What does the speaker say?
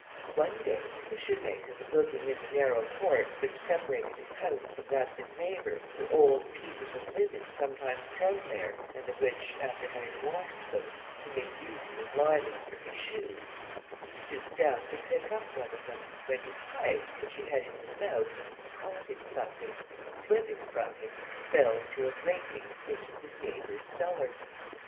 One day, as the shoemaker was looking in the narrow court, which separated his house from that of his neighbour, for old pieces of linen sometimes thrown there, and of which, after having washed them, he made use as linings for his shoes, he stooped down to pick up one of them, when his pipe, which he had in his mouth, caught in something, and slipping from him, fell through a grating into his neighbour's cellar.